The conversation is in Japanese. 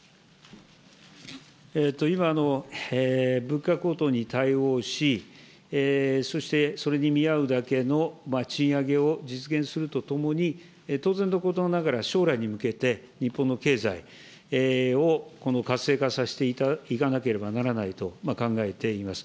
今、物価高騰に対応し、そしてそれに見合うだけの賃上げを実現するとともに、当然のことながら将来に向けて、日本の経済を活性化させていかなければならないと考えています。